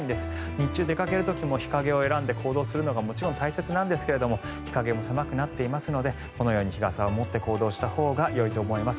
日中出かける時も、日陰を選んで行動するのも大切なんですが日陰も狭くなっていますのでこのように日傘を持って行動したほうがよいと思います。